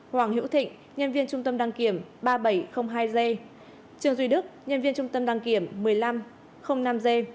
hoàng hữu thịnh nhân viên trung tâm đăng kiểm ba nghìn bảy trăm linh hai g trường duy đức nhân viên trung tâm đăng kiểm một nghìn năm trăm linh năm g